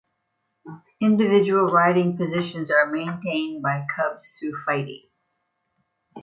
Individual riding positions are maintained by cubs through fighting.